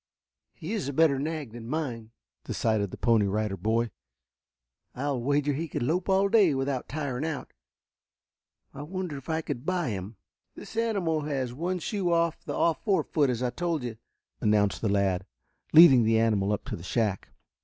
"He is a better nag than mine," decided the Pony Rider Boy. "I'll wager he could lope all day without tiring out. I wonder if I could buy him? This animal has one shoe off the off fore foot, as I told you," announced the lad, leading the animal up to the shack.